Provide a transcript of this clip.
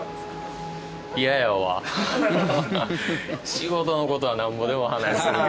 仕事の事はなんぼでも話するけど。